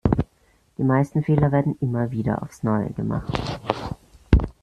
Die meisten Fehler werden immer wieder aufs Neue gemacht.